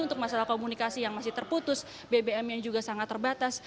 untuk masalah komunikasi yang masih terputus bbm yang juga sangat terbatas